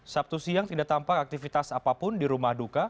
sabtu siang tidak tampak aktivitas apapun di rumah duka